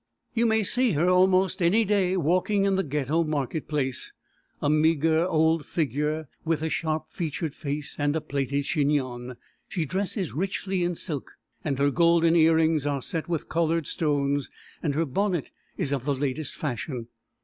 You may see her almost any day walking in the Ghetto market place a meagre, old figure, with a sharp featured face and a plaited chignon. She dresses richly in silk, and her golden earrings are set with coloured stones, and her bonnet is of the latest fashion.